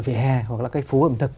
vỉa hè hoặc là cái phố ẩm thực